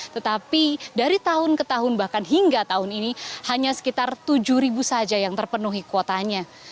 tetapi dari tahun ke tahun bahkan hingga tahun ini hanya sekitar tujuh saja yang terpenuhi kuotanya